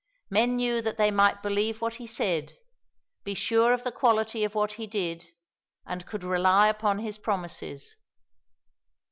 Men knew that they might believe what he said, be sure of the quality of what he did, and could rely upon his promises.